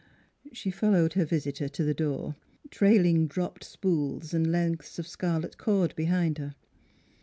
She followed her visitor to the door, trailing dropped spools and lengths of scarlet cord behind her.